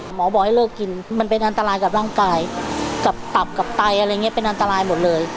หมอบอกให้เลิกกินมันเป็นอันตรายกับร่างกายกับตับกับไตอะไรอย่างนี้เป็นอันตรายหมดเลย